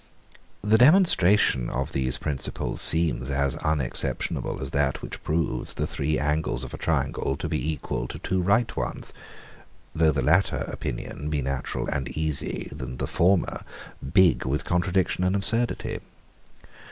The demonstration of these principles seems as unexceptionable as that which proves the three angles of a triangle to be equal to two right ones, though the latter opinion be natural and easy, and the former big with contradiction and absurdity.